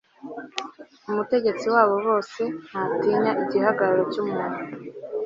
umutegetsi wa bose ntatinya igihagararo cy'umuntu